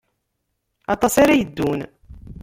Aṭas ara yeddun.